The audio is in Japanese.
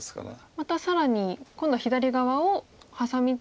また更に今度は左側をハサミツケて。